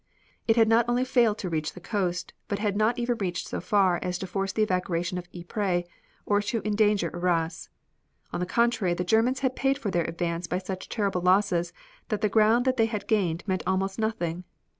It had not only failed to reach the coast but it had not even reached so far as to force the evacuation of Ypres or to endanger Arras. On the contrary the Germans had paid for their advance by such terrible losses that the ground that they had gained meant almost nothing.